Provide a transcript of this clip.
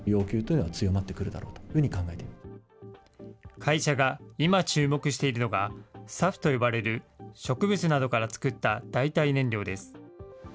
会社が今、注目しているのが、ＳＡＦと呼ばれる植物などから作った代替燃料です。